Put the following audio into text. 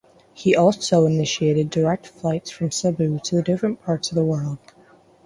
He also initiated direct flights from Cebu to the different parts of the world.